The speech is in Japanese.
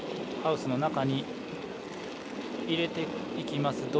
ハウスの中に入れていきます